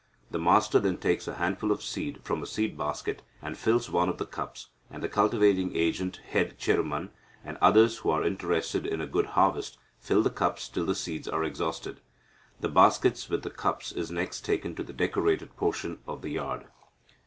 The master then takes a handful of seed from a seed basket, and fills one of the cups, and the cultivating agent, head Cheruman, and others who are interested in a good harvest, fill the cups till the seeds are exhausted. The basket, with the cups, is next taken to the decorated portion of the yard.